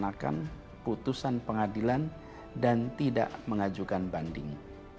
melaksanakan putusan pengadilan dan tidak mengajukan banding